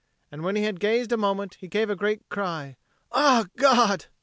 And when he had gazed a moment, he gave a great cry, "Ah, God!"